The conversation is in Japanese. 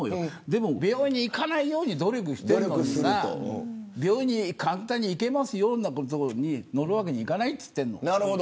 でも、病院に行かないように努力してるのに病院に簡単に行けますよみたいなことに乗るわけにいかないって言ってんの。